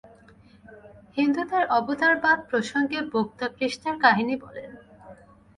হিন্দুদের অবতারবাদ-প্রসঙ্গে বক্তা কৃষ্ণের কাহিনী বলেন।